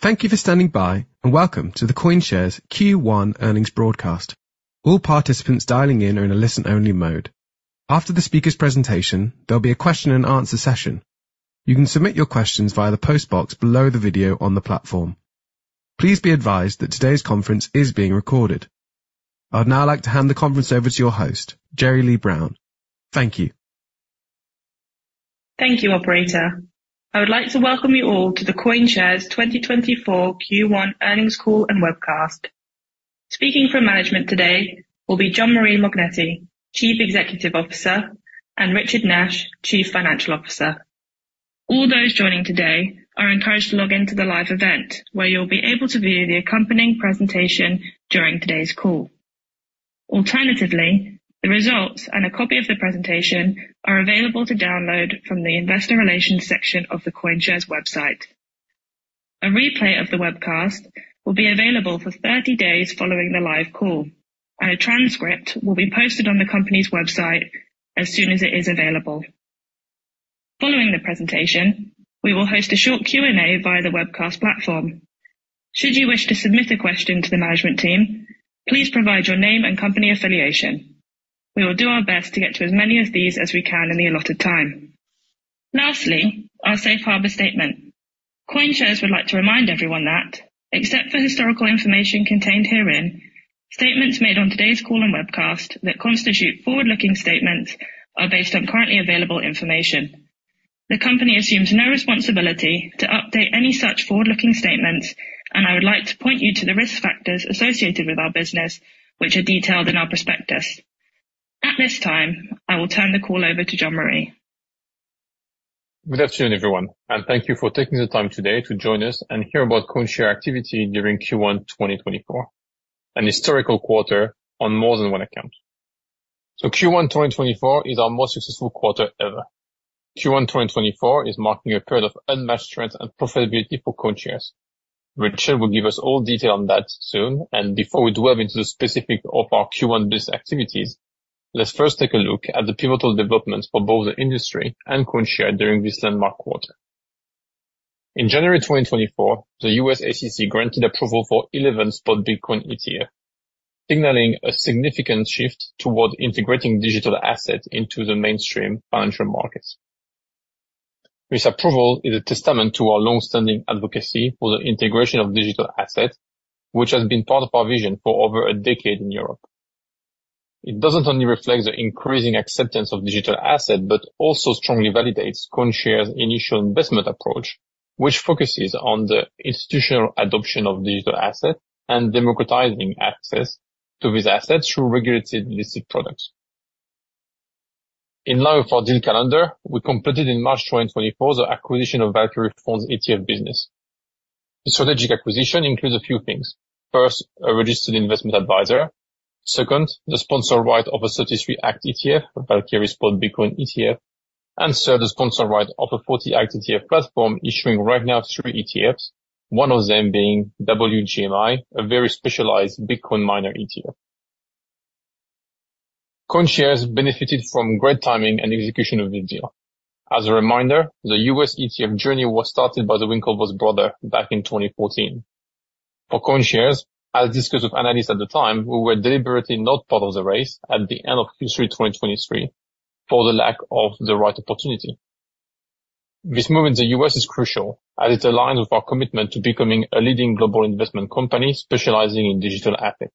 Thank you for standing by, and welcome to the CoinShares Q1 Earnings Broadcast. All participants dialing in are in a listen-only mode. After the speaker's presentation, there'll be a question and answer session. You can submit your questions via the post box below the video on the platform. Please be advised that today's conference is being recorded. I'd now like to hand the conference over to your host, Jeri-Lea Brown. Thank you. Thank you, operator. I would like to welcome you all to the CoinShares 2024 Q1 Earnings Call and Webcast. Speaking from management today will be Jean-Marie Mognetti, Chief Executive Officer, and Richard Nash, Chief Financial Officer. All those joining today are encouraged to log in to the live event, where you'll be able to view the accompanying presentation during today's call. Alternatively, the results and a copy of the presentation are available to download from the Investor Relations section of the CoinShares website. A replay of the webcast will be available for 30 days following the live call, and a transcript will be posted on the company's website as soon as it is available. Following the presentation, we will host a short Q&A via the webcast platform. Should you wish to submit a question to the management team, please provide your name and company affiliation. We will do our best to get to as many of these as we can in the allotted time. Lastly, our safe harbor statement. CoinShares would like to remind everyone that except for historical information contained herein, statements made on today's call and webcast that constitute forward-looking statements are based on currently available information. The company assumes no responsibility to update any such forward-looking statements, and I would like to point you to the risk factors associated with our business, which are detailed in our prospectus. At this time, I will turn the call over to Jean-Marie. Good afternoon, everyone, and thank you for taking the time today to join us and hear about CoinShares activity during Q1 2024, an historical quarter on more than one account. Q1 2024 is our most successful quarter ever. Q1 2024 is marking a period of unmatched trends and profitability for CoinShares. Richard will give us all detail on that soon, and before we delve into the specific of our Q1 business activities, let's first take a look at the pivotal developments for both the industry and CoinShares during this landmark quarter. In January 2024, the SEC granted approval for 11 spot Bitcoin ETFs, signaling a significant shift toward integrating digital assets into the mainstream financial markets. This approval is a testament to our long-standing advocacy for the integration of digital assets, which has been part of our vision for over a decade in Europe. It doesn't only reflect the increasing acceptance of digital assets, but also strongly validates CoinShares' initial investment approach, which focuses on the institutional adoption of digital assets and democratizing access to these assets through regulated listed products. In light of our deal calendar, we completed, in March 2024, the acquisition of Valkyrie Funds ETF business. The strategic acquisition includes a few things. First, a registered investment advisor, second, the sponsor right of a 33 Act ETF, Valkyrie spot Bitcoin ETF, and so the sponsor right of a 40 Act ETF platform issuing right now 3 ETFs, one of them being WGMI, a very specialized Bitcoin miner ETF. CoinShares benefited from great timing and execution of this deal. As a reminder, the U.S. ETF journey was started by the Winklevoss brothers back in 2014. For CoinShares, as discussed with analysts at the time, we were deliberately not part of the race at the end of Q3 2023 for the lack of the right opportunity. This move in the U.S. is crucial, as it aligns with our commitment to becoming a leading global investment company specializing in digital assets.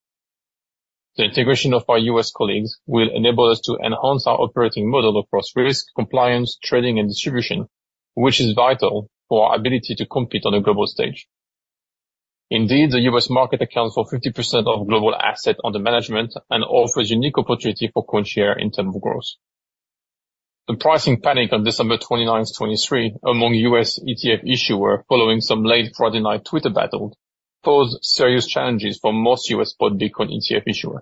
The integration of our U.S. colleagues will enable us to enhance our operating model across risk, compliance, trading, and distribution, which is vital for our ability to compete on a global stage. Indeed, the U.S. market accounts for 50% of global assets under management and offers unique opportunity for CoinShares in terms of growth. The pricing panic on December 29, 2023, among U.S. ETF issuers, following some late Friday night Twitter battle, posed serious challenges for most U.S. spot Bitcoin ETF issuers.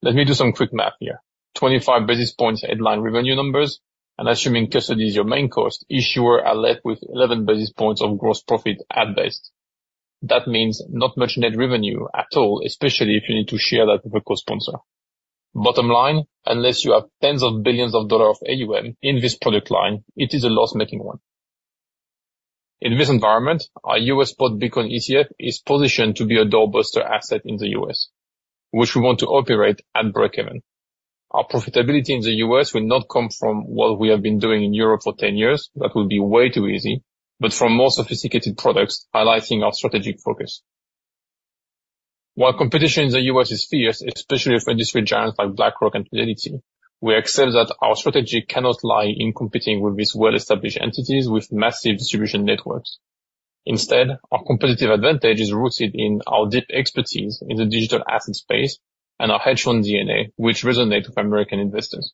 Let me do some quick math here. 25 basis points headline revenue numbers, and assuming custody is your main cost, issuers are left with 11 basis points of gross profit at best. That means not much net revenue at all, especially if you need to share that with a co-sponsor. Bottom line, unless you have tens of billions of dollars of AUM in this product line, it is a loss-making one. In this environment, our U.S. spot Bitcoin ETF is positioned to be a doorbuster asset in the U.S., which we want to operate at breakeven. Our profitability in the U.S. will not come from what we have been doing in Europe for 10 years. That would be way too easy, but from more sophisticated products, highlighting our strategic focus. While competition in the U.S. is fierce, especially with industry giants like BlackRock and Fidelity, we accept that our strategy cannot lie in competing with these well-established entities with massive distribution networks. Instead, our competitive advantage is rooted in our deep expertise in the digital asset space and our hedge fund DNA, which resonate with American investors.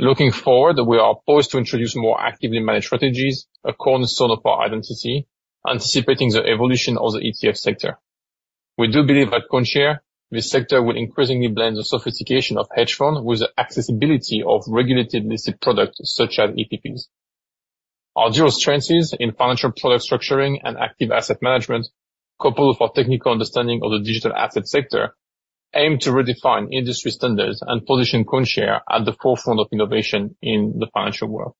Looking forward, we are poised to introduce more actively managed strategies according to solar power identity, anticipating the evolution of the ETF sector. We do believe at CoinShares, this sector will increasingly blend the sophistication of hedge fund with the accessibility of regulated listed products such as ETPs. Our dual strengths in financial product structuring and active asset management, coupled with our technical understanding of the digital asset sector-... Aim to redefine industry standards and position CoinShares at the forefront of innovation in the financial world.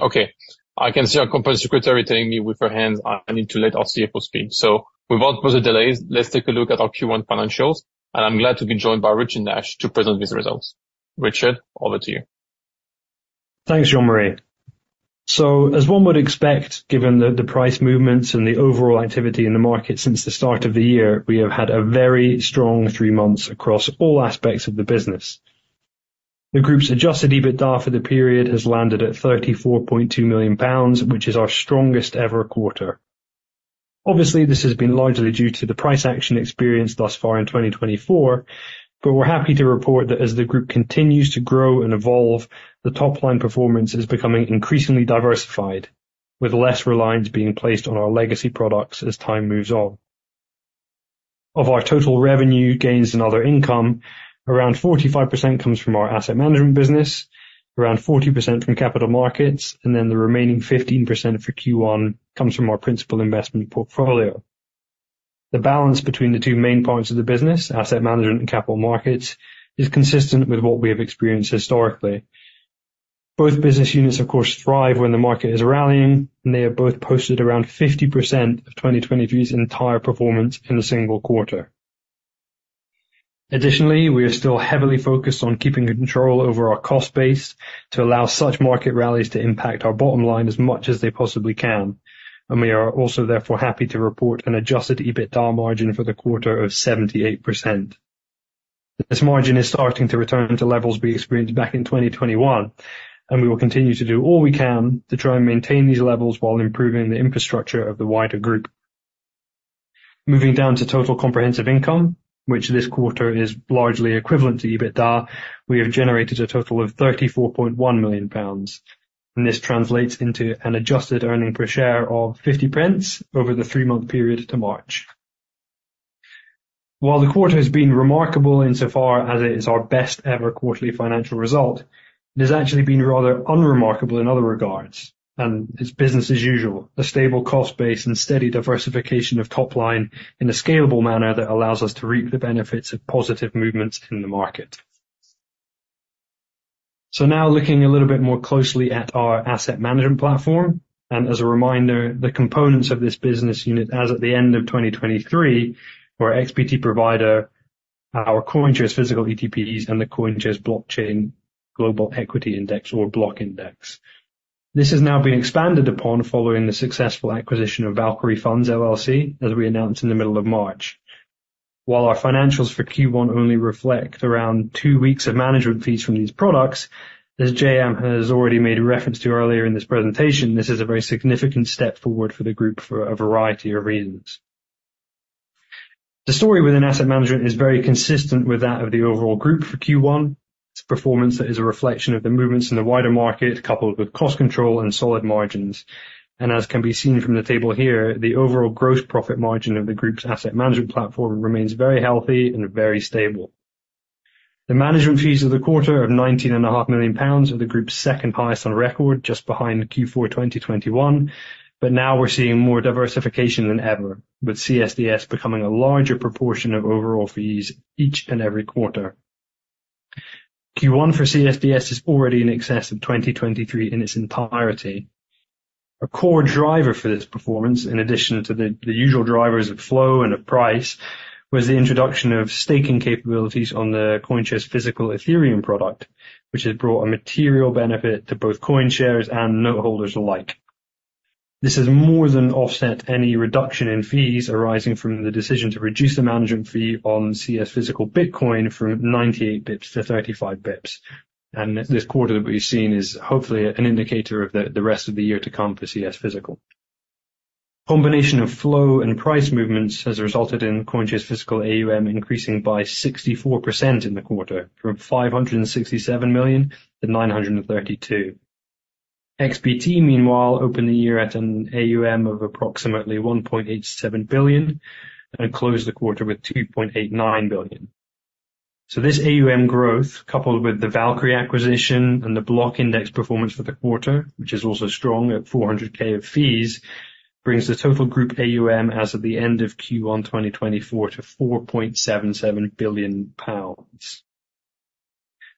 Okay, I can see our company secretary telling me with her hands, I need to let our CFO speak. So without further delays, let's take a look at our Q1 financials, and I'm glad to be joined by Richard Nash to present these results. Richard, over to you. Thanks, Jean-Marie. So as one would expect, given the price movements and the overall activity in the market since the start of the year, we have had a very strong three months across all aspects of the business. The group's adjusted EBITDA for the period has landed at 34.2 million pounds, which is our strongest ever quarter. Obviously, this has been largely due to the price action experienced thus far in 2024, but we're happy to report that as the group continues to grow and evolve, the top-line performance is becoming increasingly diversified, with less reliance being placed on our legacy products as time moves on. Of our total revenue gains and other income, around 45% comes from our asset management business, around 40% from capital markets, and then the remaining 15% for Q1 comes from our principal investment portfolio. The balance between the two main parts of the business, asset management and capital markets, is consistent with what we have experienced historically. Both business units, of course, thrive when the market is rallying, and they have both posted around 50% of 2023's entire performance in a single quarter. Additionally, we are still heavily focused on keeping control over our cost base to allow such market rallies to impact our bottom line as much as they possibly can, and we are also therefore happy to report an adjusted EBITDA margin for the quarter of 78%. This margin is starting to return to levels we experienced back in 2021, and we will continue to do all we can to try and maintain these levels while improving the infrastructure of the wider group. Moving down to total comprehensive income, which this quarter is largely equivalent to EBITDA, we have generated a total of 34.1 million pounds, and this translates into an adjusted earnings per share of 0.50 over the three-month period to March. While the quarter has been remarkable insofar as it is our best ever quarterly financial result, it has actually been rather unremarkable in other regards, and it's business as usual, a stable cost base and steady diversification of top line in a scalable manner that allows us to reap the benefits of positive movements in the market. So now looking a little bit more closely at our asset management platform, and as a reminder, the components of this business unit as at the end of 2023, were XBT Provider, our CoinShares Physical ETPs, and the CoinShares Blockchain Global Equity Index, or Block Index. This is now being expanded upon following the successful acquisition of Valkyrie Funds LLC, as we announced in the middle of March. While our financials for Q1 only reflect around two weeks of management fees from these products, as JM has already made a reference to earlier in this presentation, this is a very significant step forward for the group for a variety of reasons. The story within asset management is very consistent with that of the overall group for Q1. It's a performance that is a reflection of the movements in the wider market, coupled with cost control and solid margins. As can be seen from the table here, the overall gross profit margin of the group's asset management platform remains very healthy and very stable. The management fees of the quarter of 19.5 million pounds are the group's second highest on record, just behind Q4 2021. Now we're seeing more diversification than ever, with CSDS becoming a larger proportion of overall fees each and every quarter. Q1 for CSDS is already in excess of 2023 in its entirety. A core driver for this performance, in addition to the usual drivers of flow and of price, was the introduction of staking capabilities on the CoinShares physical Ethereum product, which has brought a material benefit to both CoinShares and note holders alike. This has more than offset any reduction in fees arising from the decision to reduce the management fee on CS physical Bitcoin from 98 basis points to 35 basis points. This quarter, what we've seen is hopefully an indicator of the rest of the year to come for CoinShares Physical. Combination of flow and price movements has resulted in CoinShares Physical AUM increasing by 64% in the quarter, from 567 million-932 million. XBT, meanwhile, opened the year at an AUM of approximately 1.87 billion and closed the quarter with 2.89 billion. This AUM growth, coupled with the Valkyrie acquisition and the Block Index performance for the quarter, which is also strong at 400,000 of fees, brings the total group AUM as of the end of Q1 2024 to 4.77 billion pounds.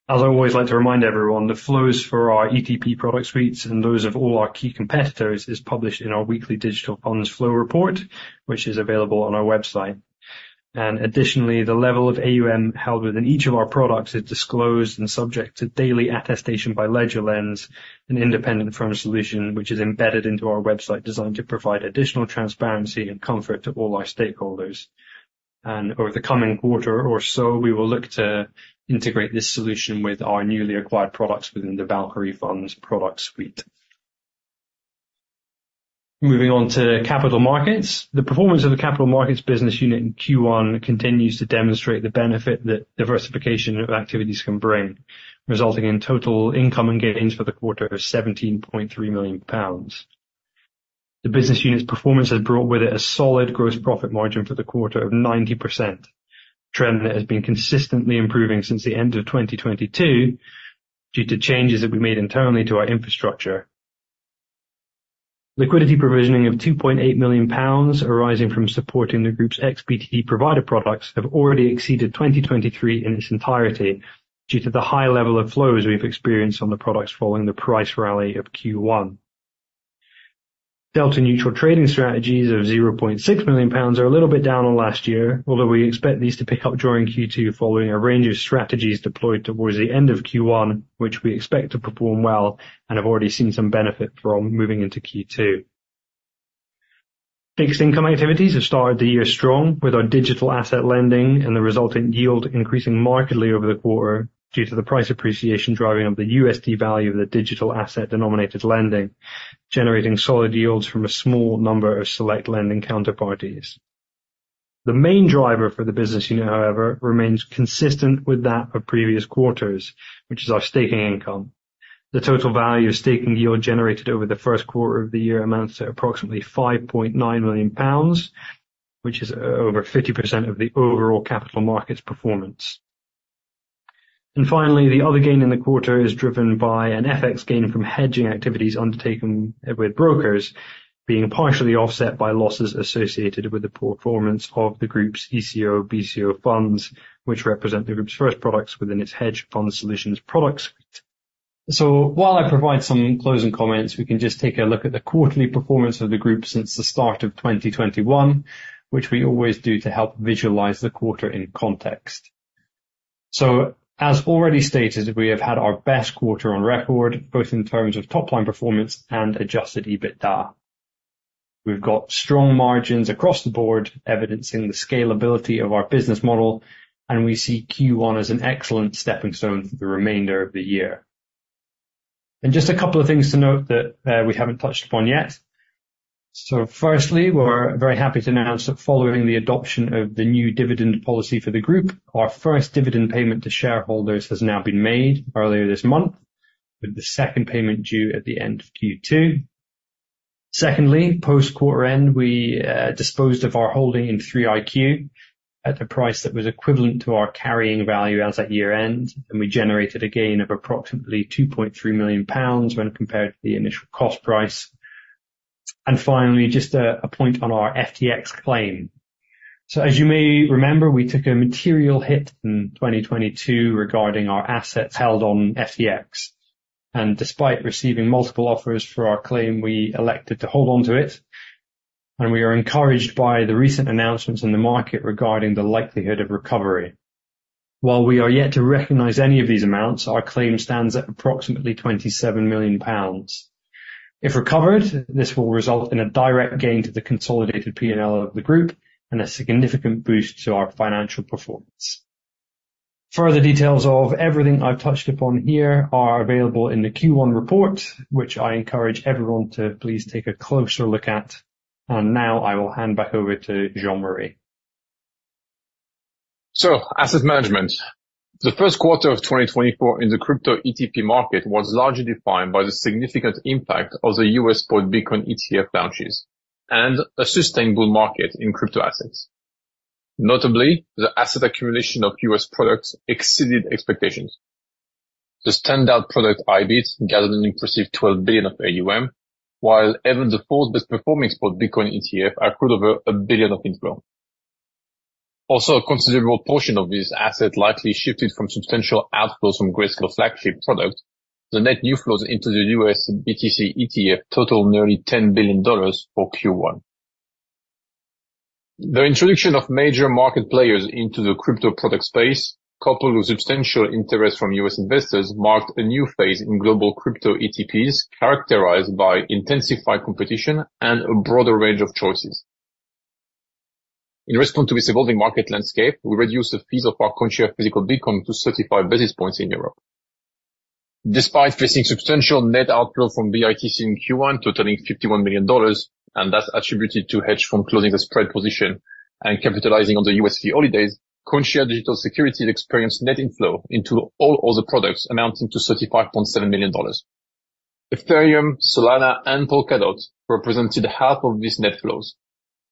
As I always like to remind everyone, the flows for our ETP product suites and those of all our key competitors is published in our weekly Digital Funds Flow Report, which is available on our website. Additionally, the level of AUM held within each of our products is disclosed and subject to daily attestation by LedgerLens, an independent firm solution, which is embedded into our website, designed to provide additional transparency and comfort to all our stakeholders. Over the coming quarter or so, we will look to integrate this solution with our newly acquired products within the Valkyrie Funds product suite. Moving on to capital markets. The performance of the capital markets business unit in Q1 continues to demonstrate the benefit that diversification of activities can bring, resulting in total income and gains for the quarter of 17.3 million pounds. The business unit's performance has brought with it a solid gross profit margin for the quarter of 90%, trend that has been consistently improving since the end of 2022 due to changes that we made internally to our infrastructure. Liquidity Provisioning of 2.8 million pounds, arising from supporting the group's XBT Provider products, have already exceeded 2023 in its entirety, due to the high level of flows we've experienced on the products following the price rally of Q1. Delta Neutral Trading strategies of 0.6 million pounds are a little bit down on last year, although we expect these to pick up during Q2, following a range of strategies deployed towards the end of Q1, which we expect to perform well and have already seen some benefit from moving into Q2. Fixed income activities have started the year strong, with our digital asset lending and the resulting yield increasing markedly over the quarter, due to the price appreciation driving up the USD value of the digital asset-denominated lending, generating solid yields from a small number of select lending counterparties. The main driver for the business unit, however, remains consistent with that of previous quarters, which is our staking income. The total value of staking yield generated over the first quarter of the year amounts to approximately 5.9 million pounds, which is over 50% of the overall capital markets performance. And finally, the other gain in the quarter is driven by an FX gain from hedging activities undertaken with brokers, being partially offset by losses associated with the performance of the group's ECO, BCO funds, which represent the group's first products within its hedge fund solutions product suite. So while I provide some closing comments, we can just take a look at the quarterly performance of the group since the start of 2021, which we always do to help visualize the quarter in context. So as already stated, we have had our best quarter on record, both in terms of top-line performance and adjusted EBITDA. We've got strong margins across the board, evidencing the scalability of our business model, and we see Q1 as an excellent stepping stone for the remainder of the year. And just a couple of things to note that, we haven't touched upon yet. So firstly, we're very happy to announce that following the adoption of the new dividend policy for the group, our first dividend payment to shareholders has now been made earlier this month, with the second payment due at the end of Q2. Secondly, post-quarter end, we disposed of our holding in 3iQ at a price that was equivalent to our carrying value as at year-end, and we generated a gain of approximately 2.3 million pounds when compared to the initial cost price. And finally, just a point on our FTX claim. So as you may remember, we took a material hit in 2022 regarding our assets held on FTX, and despite receiving multiple offers for our claim, we elected to hold on to it, and we are encouraged by the recent announcements in the market regarding the likelihood of recovery. While we are yet to recognize any of these amounts, our claim stands at approximately 27 million pounds. If recovered, this will result in a direct gain to the consolidated P&L of the group and a significant boost to our financial performance. Further details of everything I've touched upon here are available in the Q1 report, which I encourage everyone to please take a closer look at, and now I will hand back over to Jean-Marie. Asset management. The first quarter of 2024 in the crypto ETP market was largely defined by the significant impact of the U.S. spot Bitcoin ETF launches and a sustainable market in crypto assets. Notably, the asset accumulation of U.S. products exceeded expectations. The standout product, IBIT, gathered an impressive $12 billion of AUM, while even the fourth best performing spot, Bitcoin ETF, accrued over $1 billion of inflow. Also, a considerable portion of this asset likely shifted from substantial outflows from Grayscale's flagship product, the net new flows into the U.S. BTC ETF total nearly $10 billion for Q1. The introduction of major market players into the crypto product space, coupled with substantial interest from U.S. investors, marked a new phase in global crypto ETPs, characterized by intensified competition and a broader range of choices. In response to this evolving market landscape, we reduced the fees of our CoinShares Physical Bitcoin to 35 basis points in Europe. Despite facing substantial net outflow from BITC in Q1, totaling $51 million, and that's attributed to hedge funds closing the spread position and capitalizing on the USD holidays, CoinShares Digital Securities experienced net inflow into all other products, amounting to $35.7 million. Ethereum, Solana, and Polkadot represented half of these net flows.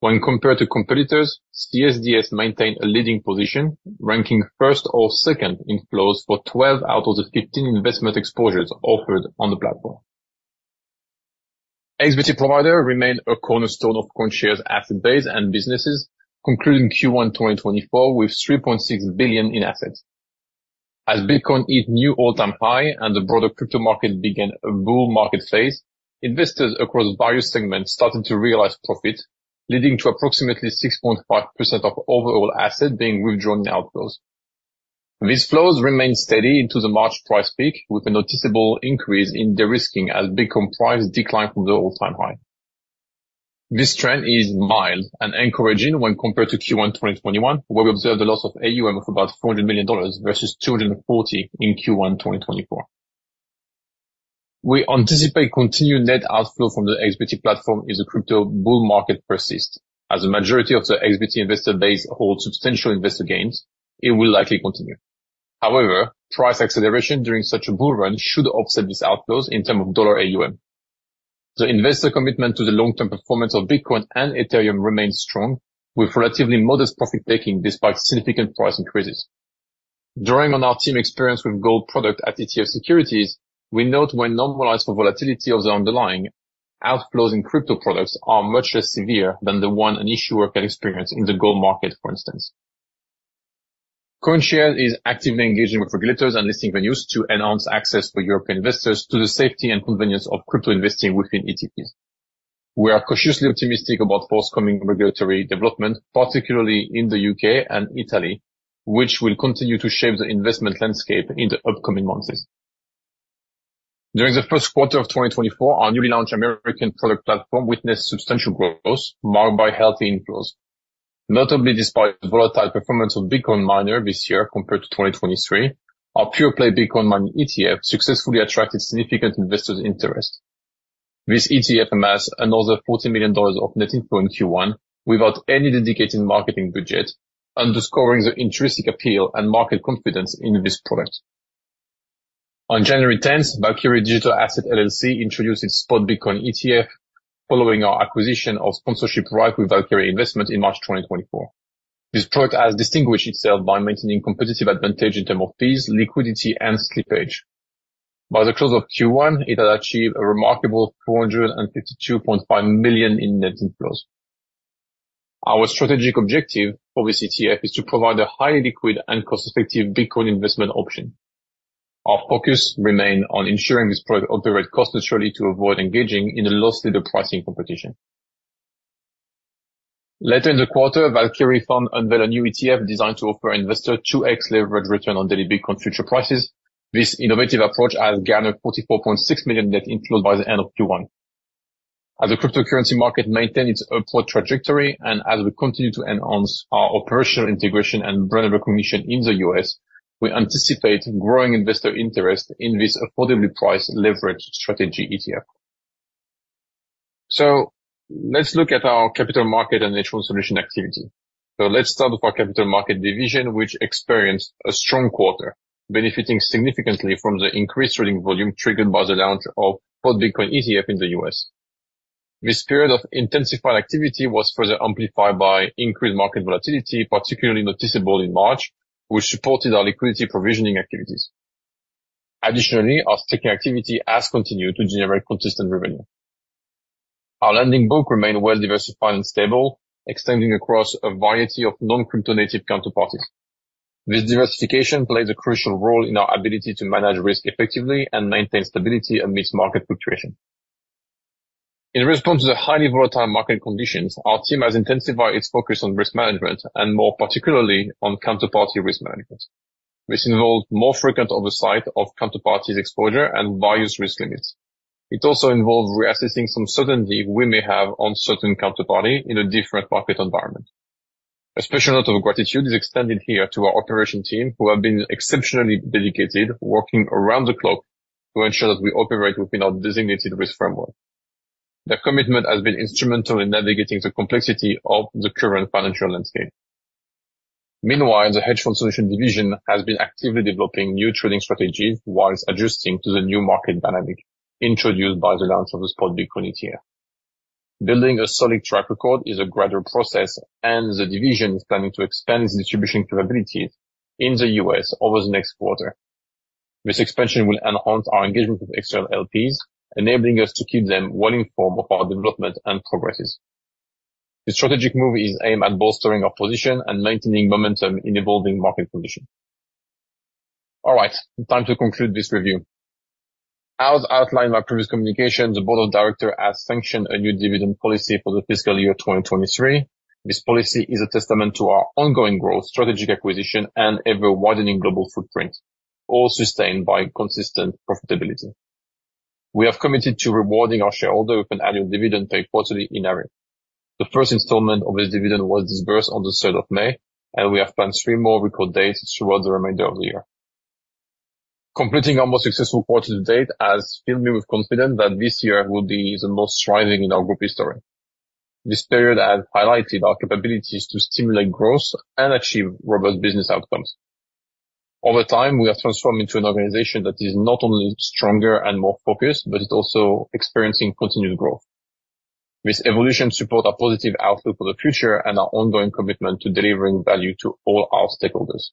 When compared to competitors, CSDS maintained a leading position, ranking first or second in flows for 12 out of the 15 investment exposures offered on the platform. XBT Provider remained a cornerstone of CoinShares's asset base and businesses, concluding Q1 2024 with $3.6 billion in assets. As Bitcoin hit new all-time high and the broader crypto market began a bull market phase, investors across various segments started to realize profit, leading to approximately 6.5% of overall asset being withdrawn in outflows. These flows remained steady into the March price peak, with a noticeable increase in de-risking, as Bitcoin price declined from the all-time high. This trend is mild and encouraging when compared to Q1 2021, where we observed a loss of AUM of about $400 million versus $240 million in Q1 2024. We anticipate continued net outflow from the xBT platform as the crypto bull market persists. As the majority of the xBT investor base holds substantial investor gains, it will likely continue. However, price acceleration during such a bull run should offset these outflows in terms of dollar AUM. The investor commitment to the long-term performance of Bitcoin and Ethereum remains strong, with relatively modest profit-taking, despite significant price increases. Drawing on our team experience with gold product at ETF Securities, we note when normalized for volatility of the underlying, outflows in crypto products are much less severe than the one an issuer can experience in the gold market, for instance. CoinShares is actively engaging with regulators and listing venues to enhance access for European investors to the safety and convenience of crypto investing within ETPs. We are cautiously optimistic about forthcoming regulatory development, particularly in the U.K. and Italy, which will continue to shape the investment landscape in the upcoming months. During the first quarter of 2024, our newly launched American product platform witnessed substantial growth marked by healthy inflows. Notably, despite the volatile performance of Bitcoin miners this year compared to 2023, our pure play Bitcoin mining ETF successfully attracted significant investor interest. This ETF amassed another GBP 40 million of net inflow in Q1 without any dedicated marketing budget, underscoring the intrinsic appeal and market confidence in this product. On January 10, Valkyrie Funds LLC introduced its spot Bitcoin ETF, following our acquisition of sponsorship rights with Valkyrie Investments in March 2024. This product has distinguished itself by maintaining competitive advantage in terms of fees, liquidity, and slippage. By the close of Q1, it had achieved a remarkable 452.5 million in net inflows. Our strategic objective for this ETF is to provide a highly liquid and cost-effective Bitcoin investment option. Our focus remains on ensuring this product operates cost-neutrally to avoid engaging in a loss leader pricing competition. Later in the quarter, Valkyrie Fund unveiled a new ETF designed to offer investors 2x leverage return on daily Bitcoin futures prices. This innovative approach has garnered 44.6 million net inflows by the end of Q1. As the cryptocurrency market maintains its upward trajectory, and as we continue to enhance our operational integration and brand recognition in the U.S., we anticipate growing investor interest in this affordably priced leverage strategy ETF. Let's look at our capital markets and institutional solutions activity. Let's start with our capital markets division, which experienced a strong quarter, benefiting significantly from the increased trading volume triggered by the launch of spot Bitcoin ETF in the U.S. This period of intensified activity was further amplified by increased market volatility, particularly noticeable in March, which supported our liquidity provisioning activities. Additionally, our staking activity has continued to generate consistent revenue. Our lending book remained well-diversified and stable, extending across a variety of non-crypto-native counterparties. This diversification plays a crucial role in our ability to manage risk effectively and maintain stability amidst market fluctuation. In response to the highly volatile market conditions, our team has intensified its focus on risk management, and more particularly on counterparty risk management. This involved more frequent oversight of counterparty's exposure and various risk limits. It also involved reassessing some certainty we may have on certain counterparty in a different market environment. A special note of gratitude is extended here to our operation team, who have been exceptionally dedicated, working around the clock to ensure that we operate within our designated risk framework. Their commitment has been instrumental in navigating the complexity of the current financial landscape. Meanwhile, the hedge fund solution division has been actively developing new trading strategies while adjusting to the new market dynamic introduced by the launch of the spot Bitcoin ETF. Building a solid track record is a gradual process, and the division is planning to expand its distribution capabilities in the U.S. over the next quarter. This expansion will enhance our engagement with external LPs, enabling us to keep them well-informed of our development and progresses. The strategic move is aimed at bolstering our position and maintaining momentum in evolving market conditions. All right, time to conclude this review. As outlined in our previous communication, the board of directors has sanctioned a new dividend policy for the fiscal year 2023. This policy is a testament to our ongoing growth, strategic acquisition, and ever-widening global footprint, all sustained by consistent profitability. We have committed to rewarding our shareholders with an annual dividend paid quarterly on average. The first installment of this dividend was disbursed on the third of May, and we have planned three more record dates throughout the remainder of the year. Completing our most successful quarter to date has filled me with confidence that this year will be the most thriving in our group history. This period has highlighted our capabilities to stimulate growth and achieve robust business outcomes. Over time, we have transformed into an organization that is not only stronger and more focused, but is also experiencing continued growth. This evolution support our positive outlook for the future and our ongoing commitment to delivering value to all our stakeholders.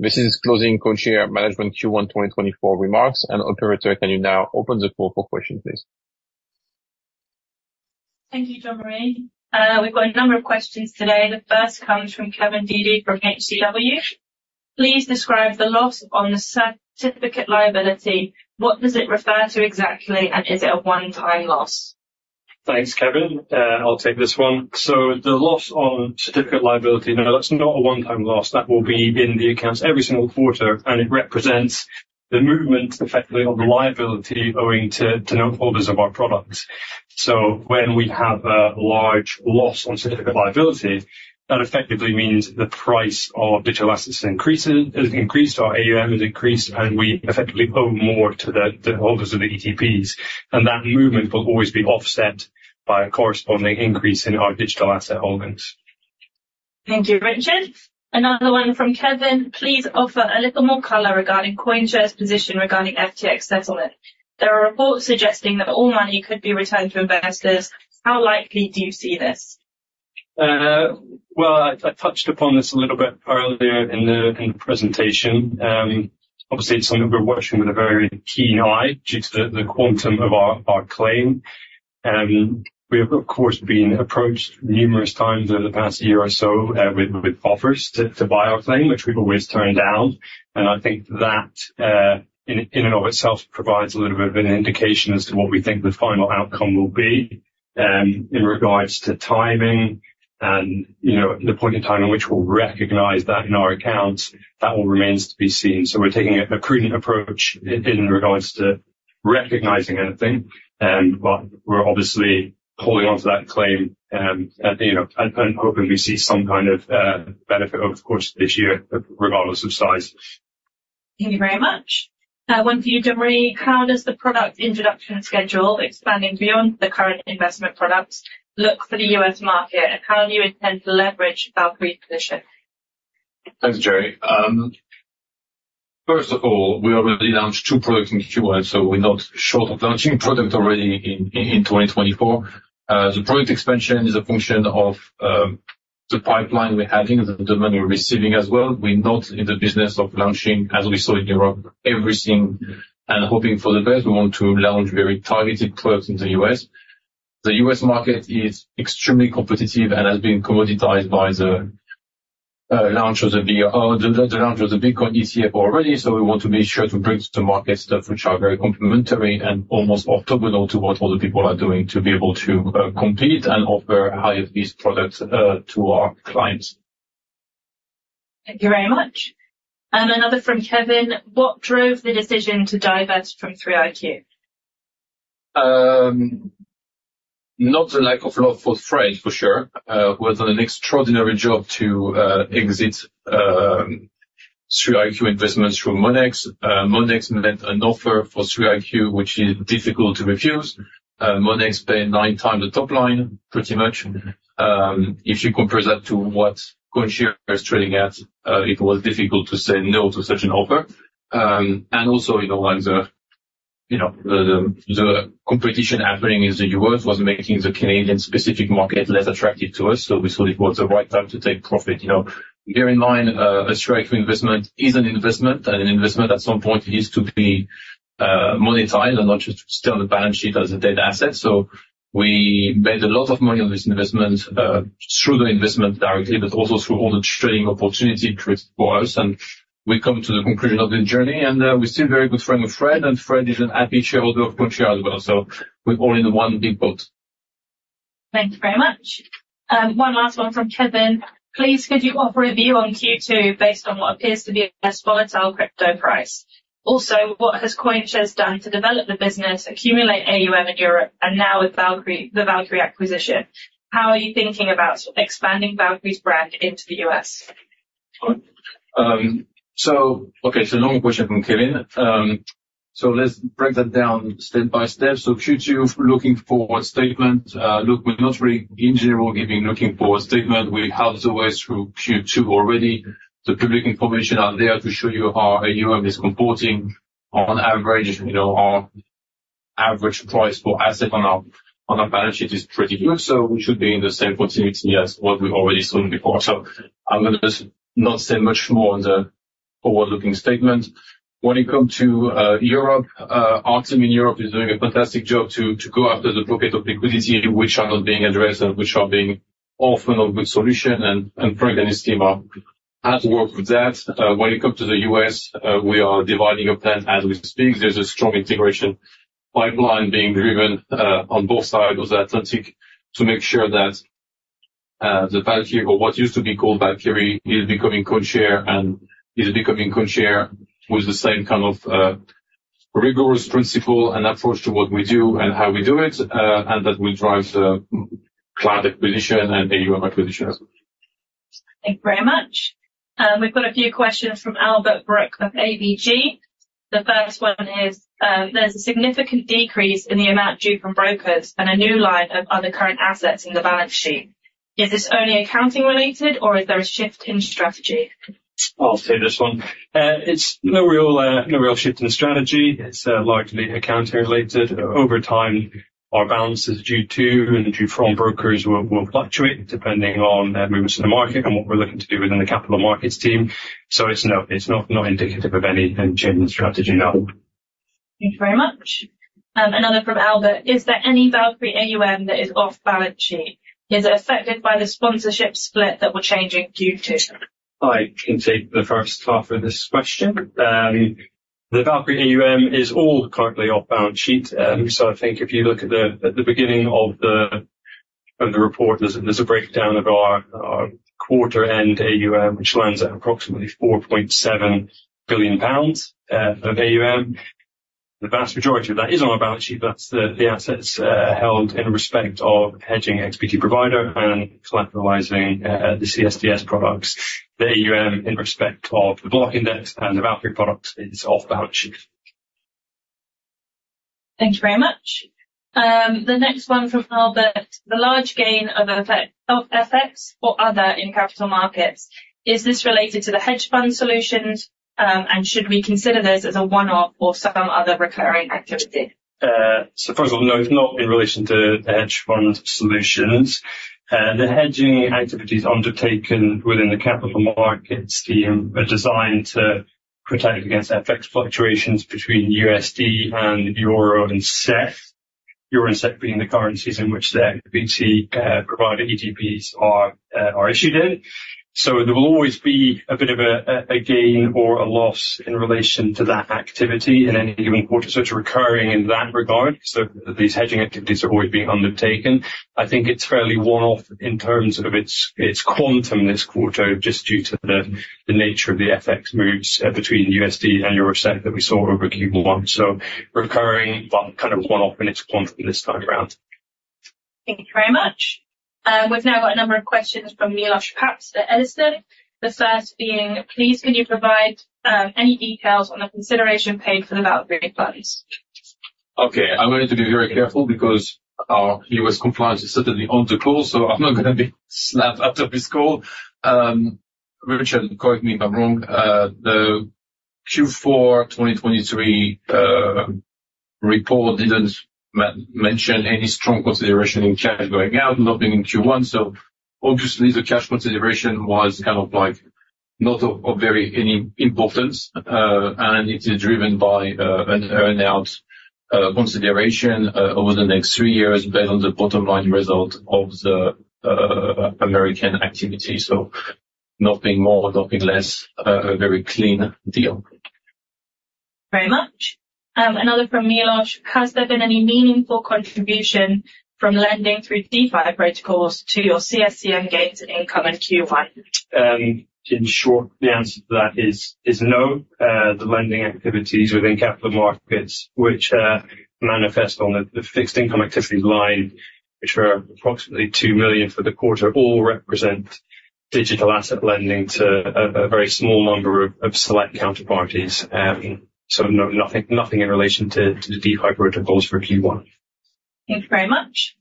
This is closing CoinShares management Q1 2024 remarks, and operator, can you now open the floor for questions, please? Thank you, Jean-Marie. We've got a number of questions today. The first comes from Kevin Dede from HCW. Please describe the loss on the certificate liability. What does it refer to exactly, and is it a one-time loss? Thanks, Kevin. I'll take this one. So the loss on certificate liability, no, that's not a one-time loss. That will be in the accounts every single quarter, and it represents the movement effectively on the liability owing to, to noteholders of our products. So when we have a large loss on certificate liability, that effectively means the price of digital assets increases-has increased, our AUM has increased, and we effectively owe more to the, the holders of the ETPs, and that movement will always be offset by a corresponding increase in our digital asset holdings. Thank you, Richard. Another one from Kevin: Please offer a little more color regarding CoinShares' position regarding FTX settlement. There are reports suggesting that all money could be returned to investors. How likely do you see this? ... Well, I, I touched upon this a little bit earlier in the presentation. Obviously, it's something we're watching with a very keen eye due to the quantum of our claim. And we have, of course, been approached numerous times in the past year or so with offers to buy our claim, which we've always turned down. And I think that in and of itself provides a little bit of an indication as to what we think the final outcome will be. In regards to timing and, you know, the point in time in which we'll recognize that in our accounts, that all remains to be seen. We're taking a prudent approach in regards to recognizing anything, but we're obviously holding on to that claim, and you know, hoping we see some kind of benefit over the course of this year, regardless of size. Thank you very much. One for you, Jean-Marie: How does the product introduction schedule expanding beyond the current investment products look for the U.S. market? And how do you intend to leverage Valkyrie's position? Thanks, Jerry. First of all, we already launched two products in Q1, so we're not short of launching product already in 2024. The product expansion is a function of the pipeline we're having, the demand we're receiving as well. We're not in the business of launching, as we saw in Europe, everything and hoping for the best. We want to launch very targeted products in the U.S. The U.S. market is extremely competitive and has been commoditized by the launch of the Bitcoin ETF already. So we want to be sure to bring to the market stuff which are very complementary and almost orthogonal to what other people are doing, to be able to compete and offer higher risk products to our clients. Thank you very much. Another from Kevin: What drove the decision to divest from 3iQ? Not the lack of love for Fred, for sure. Who has done an extraordinary job to exit 3iQ investments through Monex. Monex made an offer for 3iQ, which is difficult to refuse. Monex paid 9x the top line, pretty much. If you compare that to what CoinShares is trading at, it was difficult to say no to such an offer. And also, you know, when the competition happening in the US was making the Canadian specific market less attractive to us, so we thought it was the right time to take profit. You know, bear in mind, a 3iQ investment is an investment, and an investment, at some point, needs to be monetized and not just stay on the balance sheet as a dead asset. So we made a lot of money on this investment, through the investment directly, but also through all the trading opportunity it created for us, and we've come to the conclusion of the journey. We're still very good friend with Fred, and Fred is a happy shareholder of CoinShares as well, so we're all in the one big boat. Thank you very much. One last one from Kevin: Please, could you offer a view on Q2, based on what appears to be a less volatile crypto price? Also, what has CoinShares done to develop the business, accumulate AUM in Europe, and now with Valkyrie, the Valkyrie acquisition? How are you thinking about expanding Valkyrie's brand into the U.S.? So... okay, it's a long question from Kevin. So let's break that down step by step. So Q2, looking forward statement, look, we're not really, in general, giving looking forward statement. We have always through Q2 already. The public information are there to show you how AUM is comporting. On average, you know, our average price for asset on our, on our balance sheet is pretty good, so we should be in the same proximity as what we've already seen before. So I'm going to just not say much more on the forward-looking statement. When it come to Europe, our team in Europe is doing a fantastic job to go after the pocket of liquidity which are not being addressed and which are being often a good solution, and Frank and his team are at work with that. When it come to the U.S., we are dividing a plan as we speak. There's a strong integration pipeline being driven on both sides of the Atlantic, to make sure that the Valkyrie, or what used to be called Valkyrie, is becoming CoinShares, and is becoming CoinShares with the same kind of rigorous principle and approach to what we do and how we do it, and that will drive the client acquisition and AUM acquisition as well. Thank you very much. We've got a few questions from Albert Brooke of ABG. The first one is: There's a significant decrease in the amount due from brokers and a new line of other current assets in the balance sheet. Is this only accounting related, or is there a shift in strategy? I'll take this one. It's no real shift in strategy. It's largely accounting related. Over time, our balances due to and due from brokers will fluctuate depending on movements in the market and what we're looking to do within the capital markets team. So it's not indicative of any change in strategy, no. Thank you very much. Another from Albert: Is there any Valkyrie AUM that is off balance sheet? Is it affected by the sponsorship split that we're changing in Q2? I can take the first half of this question. The Valkyrie AUM is all currently off balance sheet. So I think if you look at the beginning of the report, there's a breakdown of our quarter-end AUM, which lands at approximately 4.7 billion pounds of AUM. The vast majority of that is on our balance sheet. That's the assets held in respect of hedging XBT Provider and collateralizing the CSDS products. The AUM in respect of the Block Index and the Valkyrie products is off balance sheet.... Thank you very much. The next one from Albert: The large gain of effect, of FX for other in capital markets, is this related to the hedge fund solutions, and should we consider this as a one-off or some other recurring activity? So first of all, no, it's not in relation to the hedge fund solutions. The hedging activities undertaken within the capital markets team are designed to protect against FX fluctuations between USD and euro and CHF. Euro and CHF being the currencies in which the XBT Provider ETPs are issued in. So there will always be a bit of a gain or a loss in relation to that activity in any given quarter. So it's recurring in that regard, so these hedging activities are always being undertaken. I think it's fairly one-off in terms of its quantum this quarter, just due to the nature of the FX moves between USD and EUR CHF that we saw over Q1. So recurring, but kind of one-off in its quantum this time around. Thank you very much. We've now got a number of questions from Milosz Papst at Edison Group. The first being: Please, can you provide any details on the consideration paid for the Valkyrie funds? Okay. I'm going to be very careful because our U.S. compliance is certainly on the call, so I'm not gonna be slapped after this call. Richard, correct me if I'm wrong, the Q4 2023 report didn't mention any strong consideration in cash going out, nothing in Q1. So obviously, the cash consideration was kind of like, not of very much importance, and it is driven by an earn-out consideration over the next three years, based on the bottom line result of the American activity. So nothing more, nothing less, a very clean deal. Very much. Another from Milosz: Has there been any meaningful contribution from lending through DeFi protocols to your CSC engaged income in Q1? In short, the answer to that is, is no. The lending activities within capital markets, which manifest on the fixed income activities line, which are approximately 2 million for the quarter, all represent digital asset lending to a very small number of select counterparties. So no, nothing, nothing in relation to the DeFi protocols for Q1. Thank you very much,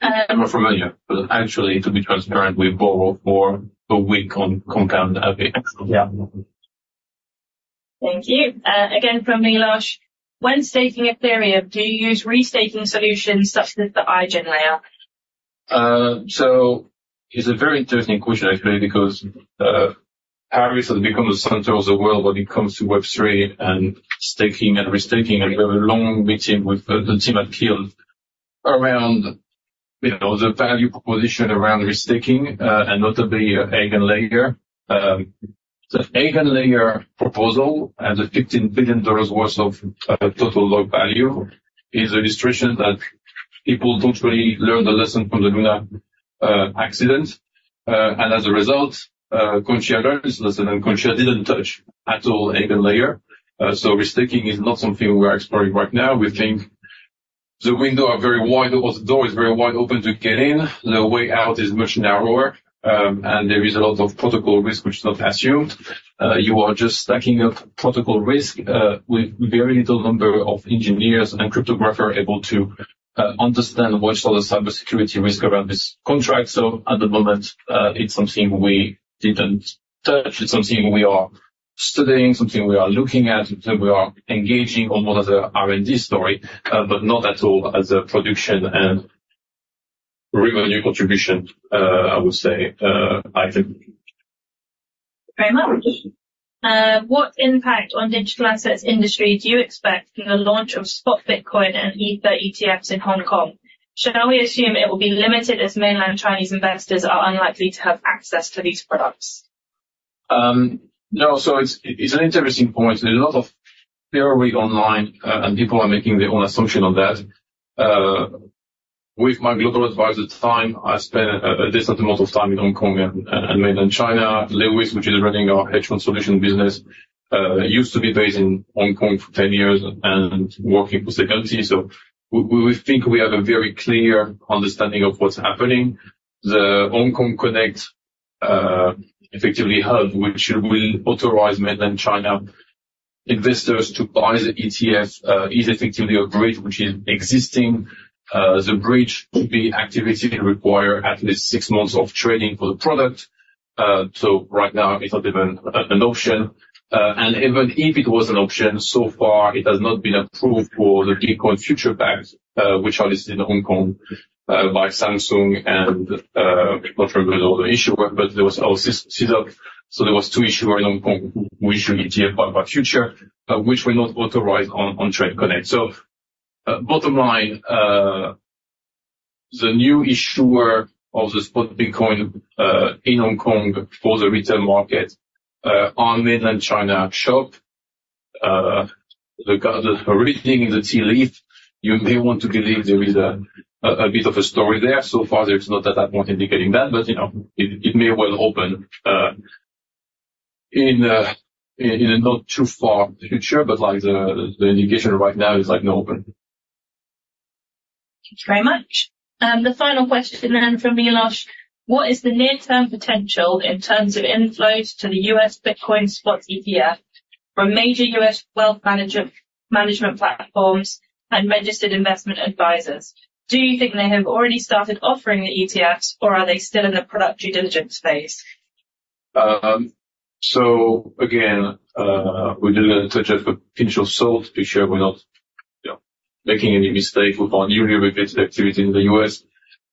I'm not familiar, but actually, to be transparent, we borrow for a week on Compound. Yeah. Thank you. Again, from Milosz: When staking Ethereum, do you use restaking solutions such as the EigenLayer? So it's a very interesting question, actually, because Paris has become the center of the world when it comes to Web3 and staking and restaking. And we have a long meeting with the team at Kiln around, you know, the value proposition around restaking, and notably EigenLayer. The EigenLayer proposal and the $15 billion worth of total lock value is an illustration that people don't really learn the lesson from the Luna accident. And as a result, CoinShares learned the lesson, and CoinShares didn't touch at all EigenLayer. So restaking is not something we're exploring right now. We think the windows are very wide open... or the door is very wide open to get in. The way out is much narrower, and there is a lot of protocol risk which is not assumed. You are just stacking up protocol risk, with very little number of engineers and cryptographer able to understand what are the cybersecurity risk around this contract. So at the moment, it's something we didn't touch. It's something we are studying, something we are looking at, and we are engaging on more of the R&D story, but not at all as a production and revenue contribution, I would say, I think. Very much. What impact on digital assets industry do you expect from the launch of spot Bitcoin and Ether ETFs in Hong Kong? Shall we assume it will be limited as mainland Chinese investors are unlikely to have access to these products? No. So it's an interesting point. There's a lot of theory online, and people are making their own assumption on that. With my global advisor time, I spent a decent amount of time in Hong Kong and mainland China. Lewis, which is running our hedge fund solution business, used to be based in Hong Kong for 10 years and working for Segantii. So we think we have a very clear understanding of what's happening. The Hong Kong Connect effectively hub, which will authorize mainland China investors to buy the ETF, is effectively a bridge which is existing. The bridge to be activated require at least six months of training for the product. So right now, it's not even an option. And even if it was an option, so far, it has not been approved for the Bitcoin futures ETFs, which are listed in Hong Kong, by Samsung and, not familiar with all the issuers, but there was also CSOP. So there were two issuers in Hong Kong, who issue ETFs by futures, which were not authorized on Trade Connect. So, bottom line, the new issuers of the spot Bitcoin in Hong Kong for the retail market, on mainland China shoppers, regarding reading the tea leaves, you may want to believe there is a bit of a story there. So far, there's nothing at that point indicating that, but, you know, it may well open in a not too far future, but, like, the indication right now is, like, not open. Thank you very much. The final question then from Milosz: What is the near-term potential in terms of inflows to the U.S. Bitcoin spot ETF from major US wealth management, management platforms and registered investment advisors? Do you think they have already started offering the ETFs, or are they still in a product due diligence phase? So again, we do it with a touch of a pinch of salt to be sure we're not, you know, making any mistake with our newly regulated activity in the U.S.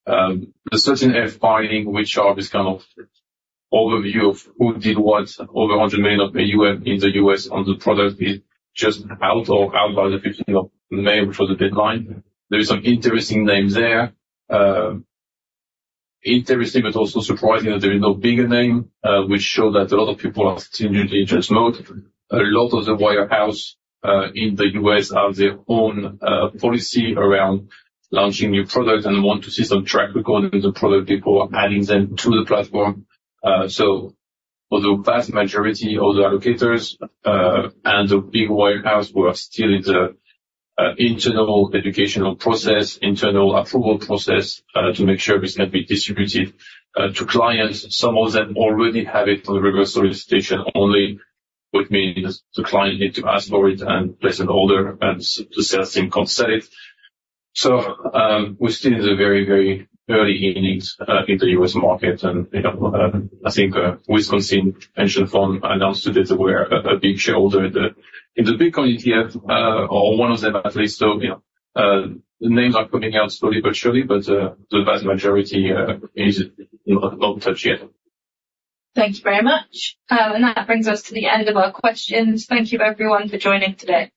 The 13F filing, which is this kind of overview of who did what, over 100 million of AUM in the U.S. on the product, is just out or out by the 15 of May, which was the deadline. There is some interesting names there. Interesting, but also surprising that there is no bigger name, which show that a lot of people are still in due diligence mode. A lot of the wirehouse in the U.S. have their own policy around launching new products and want to see some track record of the product before adding them to the platform. So for the vast majority of the allocators and the big wirehouse, we are still in the internal educational process, internal approval process to make sure this can be distributed to clients. Some of them already have it on the retail registration only, which means the client need to ask for it and place an order, and the sales team can sell it. So we're still in the very, very early innings in the U.S. market, and, you know, I think Wisconsin Pension Fund announced today they were a big shareholder in the Bitcoin ETF or one of them at least. So, you know, the names are coming out slowly but surely, but the vast majority is not touched yet. Thank you very much. That brings us to the end of our questions. Thank you everyone for joining today.